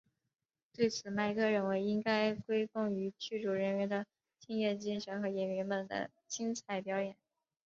对此麦克认为应该归功于剧组人员的敬业精神和演员们的精彩表演。